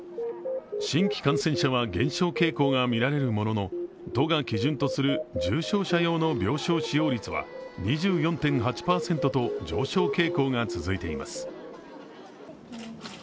新規感染者は減少傾向がみられるものの、都が基準とする重症用の病床使用率は２４．８％と上昇傾向が続いています。